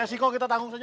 resiko kita tanggung saja